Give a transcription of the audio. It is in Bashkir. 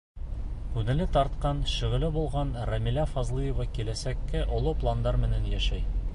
Күңеле тартҡан шөғөлө булған Рәмилә Фазлыева киләсәккә оло пландар менән йәшәй.